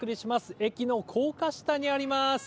駅の高架下にあります。